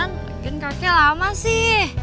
agen kakek lama sih